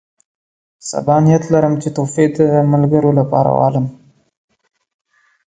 سبا نیت لرم چې تحفې د ملګرو لپاره واخلم.